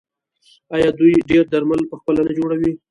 آیا دوی ډیری درمل پخپله نه جوړوي؟